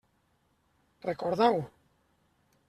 Recorda-ho.